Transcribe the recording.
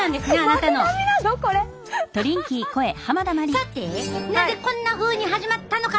さてなぜこんなふうに始まったのか。